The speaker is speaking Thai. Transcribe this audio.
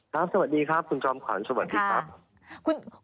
สวัสดีครับคุณจอมขวัญสวัสดีครับ